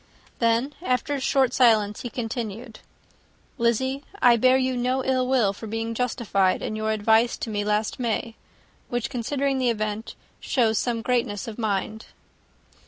Then, after a short silence, he continued, "Lizzy, I bear you no ill will for being justified in your advice to me last May, which, considering the event, shows some greatness of mind."